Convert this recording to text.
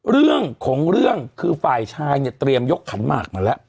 เรื่องของเรื่องคือฝ่ายชายเนี่ยเตรียมยกขันหมากมาแล้ว